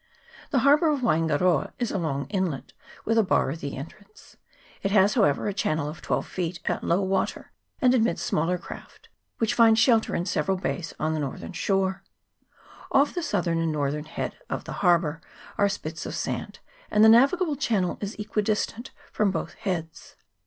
The harbour of Waingaroa is a long inlet, with a bar at the entrance ; it has, however, a channel of twelve feet at low water, and admits smaller craft, which find shelter in several bays on the northern shore. Off the southern and northern head of the harbour are spits of sand, and the navigable channel is equidistant from both heads.